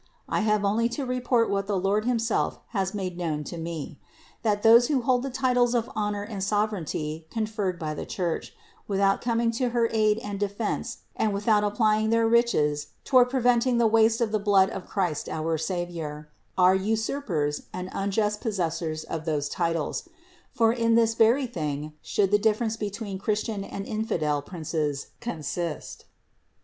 I have only to report what the Lord himself has made known to me : that those who hold the titles of honor and sovereignty conferred by the Church, without coming to her aid and defense and without applying their riches toward preventing the waste of the blood of Christ our Savior, are usurpers and unjust possessors of those titles: for in this very thing should the difference between Christian and infidel princes consist.